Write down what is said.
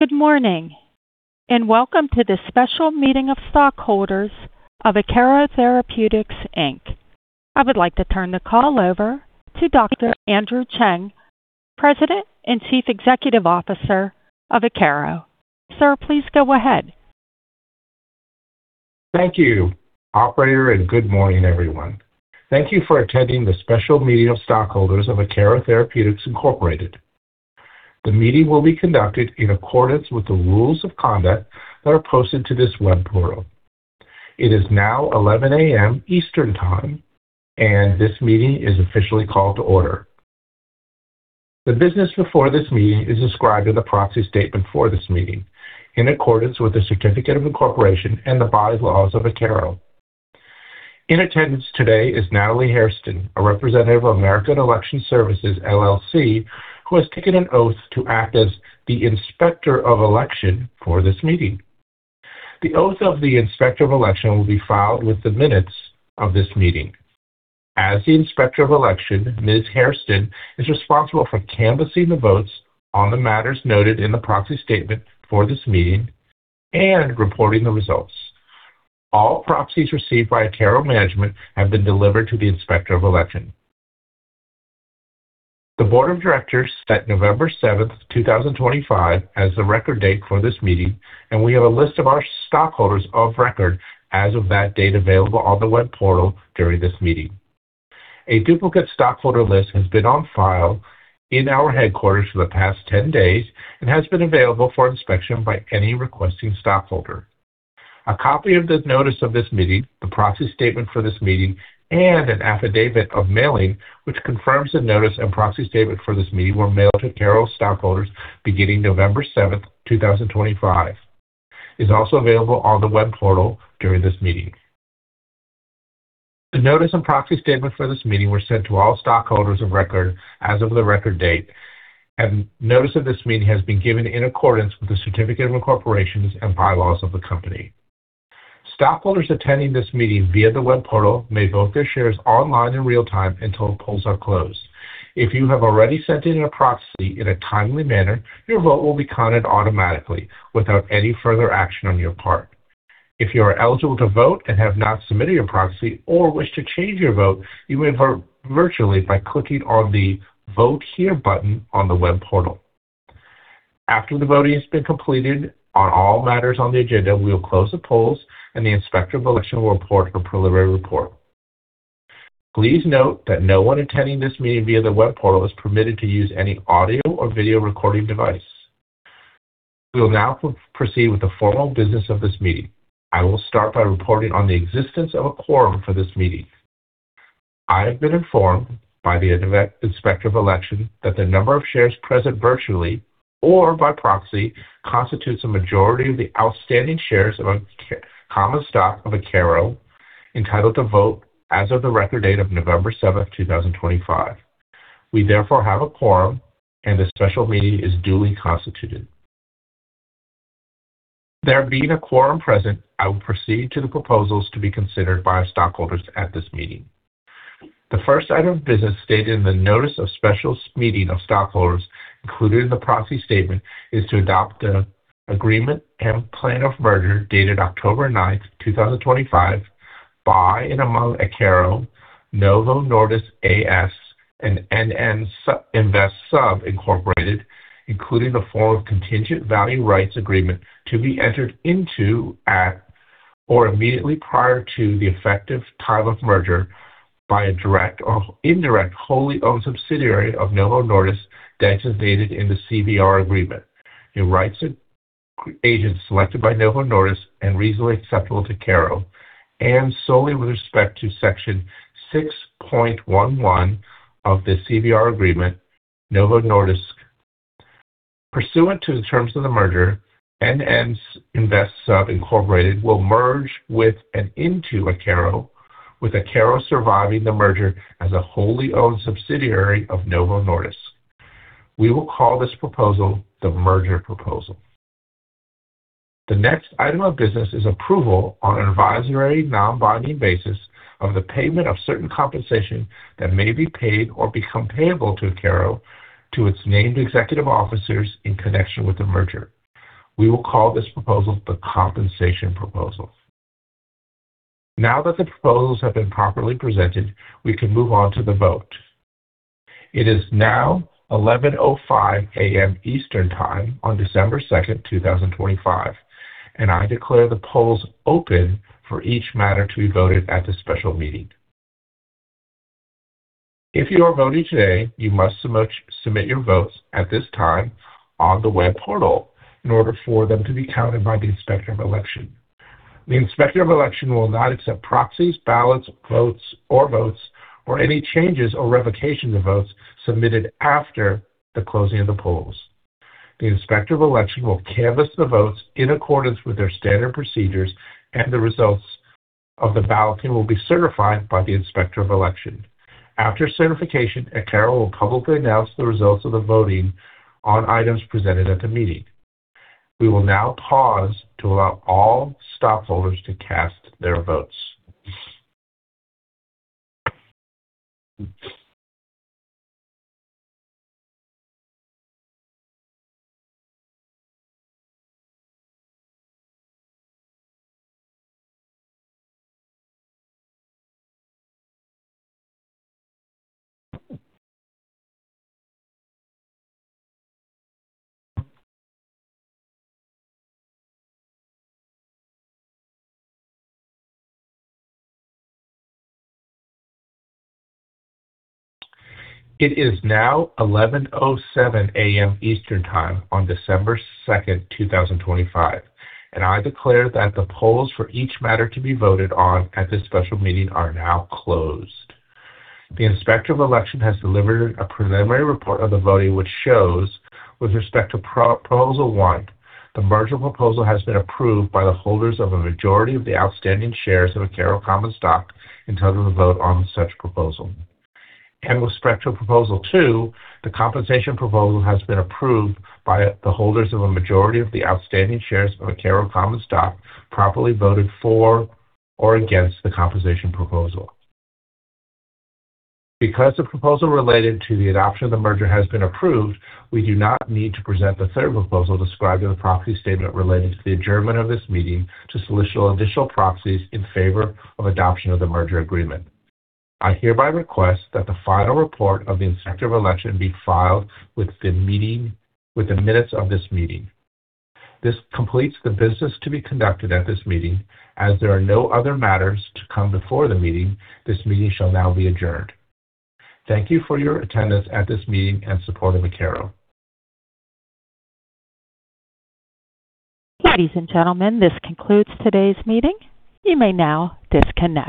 Good morning, and welcome to the special meeting of stockholders of Akero Therapeutics Inc. I would like to turn the call over to Dr. Andrew Cheng, President and Chief Executive Officer of Akero. Sir, please go ahead. Thank you, Operator, and good morning, everyone. Thank you for attending the special meeting of stockholders of Akero Therapeutics. The meeting will be conducted in accordance with the rules of conduct that are posted to this web portal. It is now 11:00 A.M. Eastern Time, and this meeting is officially called to order. The business before this meeting is described in the proxy statement for this meeting, in accordance with the certificate of incorporation and the bylaws of Akero. In attendance today is Natalie Hairston, a representative of American Election Services, who has taken an oath to act as the Inspector of Election for this meeting. The oath of the Inspector of Election will be filed with the minutes of this meeting. As the Inspector of Election, Ms. Hairston is responsible for canvassing the votes on the matters noted in the proxy statement for this meeting and reporting the results. All proxies received by Akero management have been delivered to the Inspector of Election. The Board of Directors set November 7, 2025, as the record date for this meeting, and we have a list of our stockholders of record as of that date available on the web portal during this meeting. A duplicate stockholder list has been on file in our headquarters for the past 10 days and has been available for inspection by any requesting stockholder. A copy of the notice of this meeting, the proxy statement for this meeting, and an affidavit of mailing, which confirms the notice and proxy statement for this meeting, were mailed to Akero stockholders beginning November 7, 2025. It is also available on the web portal during this meeting. The notice and proxy statement for this meeting were sent to all stockholders of record as of the record date, and notice of this meeting has been given in accordance with the certificate of incorporation and bylaws of the company. Stockholders attending this meeting via the web portal may vote their shares online in real time until the polls are closed. If you have already sent in a proxy in a timely manner, your vote will be counted automatically without any further action on your part. If you are eligible to vote and have not submitted your proxy or wish to change your vote, you may vote virtually by clicking on the Vote Here button on the web portal. After the voting has been completed on all matters on the agenda, we will close the polls, and the Inspector of Election will report a preliminary report. Please note that no one attending this meeting via the web portal is permitted to use any audio or video recording device. We will now proceed with the formal business of this meeting. I will start by reporting on the existence of a quorum for this meeting. I have been informed by the Inspector of Election that the number of shares present virtually or by proxy constitutes a majority of the outstanding shares among common stock of Akero entitled to vote as of the record date of November 7, 2025. We therefore have a quorum, and the special meeting is duly constituted. There being a quorum present, I will proceed to the proposals to be considered by stockholders at this meeting. The first item of business stated in the notice of special meeting of stockholders included in the proxy statement is to adopt the Agreement and Plan of Merger dated October 9, 2025, by and among Akero, Novo Nordisk A/S, and NN Invest Sub Incorporated, including the form of Contingent Value Rights agreement to be entered into at or immediately prior to the effective time of merger by a direct or indirect wholly owned subsidiary of Novo Nordisk, as stated in the CVR agreement. The rights agent selected by Novo Nordisk and reasonably acceptable to Akero and solely with respect to Section 6.11 of the CVR agreement, Novo Nordisk, pursuant to the terms of the merger, NN Invest Sub Incorporated will merge with and into Akero, with Akero surviving the merger as a wholly owned subsidiary of Novo Nordisk. We will call this proposal the merger proposal. The next item of business is approval on an advisory non-binding basis of the payment of certain compensation that may be paid or become payable to Akero to its named executive officers in connection with the merger. We will call this proposal the compensation proposal. Now that the proposals have been properly presented, we can move on to the vote. It is now 11:05 A.M. Eastern Time on December 2, 2025, and I declare the polls open for each matter to be voted at the special meeting. If you are voting today, you must submit your votes at this time on the web portal in order for them to be counted by the Inspector of Election. The Inspector of Election will not accept proxies, ballots, votes, or any changes or revocations of votes submitted after the closing of the polls. The Inspector of Election will canvass the votes in accordance with their standard procedures, and the results of the balloting will be certified by the Inspector of Election. After certification, Akero will publicly announce the results of the voting on items presented at the meeting. We will now pause to allow all stockholders to cast their votes. It is now 11:07 A.M. Eastern Time on December 2, 2025, and I declare that the polls for each matter to be voted on at this special meeting are now closed. The Inspector of Election has delivered a preliminary report of the voting, which shows, with respect to Proposal One, the merger proposal has been approved by the holders of a majority of the outstanding shares of Akero common stock until the vote on the such proposal. With respect to Proposal Two, the compensation proposal has been approved by the holders of a majority of the outstanding shares of Akero common stock, properly voted for or against the compensation proposal. Because the proposal related to the adoption of the merger has been approved, we do not need to present the third proposal described in the proxy statement related to the adjournment of this meeting to solicit additional proxies in favor of adoption of the merger agreement. I hereby request that the final report of the Inspector of Election be filed with the meeting with the minutes of this meeting. This completes the business to be conducted at this meeting. As there are no other matters to come before the meeting, this meeting shall now be adjourned. Thank you for your attendance at this meeting and support of Akero. Ladies and gentlemen, this concludes today's meeting. You may now disconnect.